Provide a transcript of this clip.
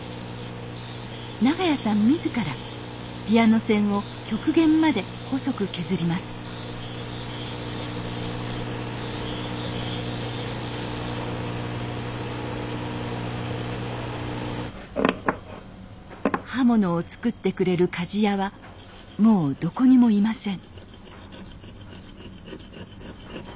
長屋さん自らピアノ線を極限まで細く削ります刃物をつくってくれる鍛冶屋はもうどこにもいません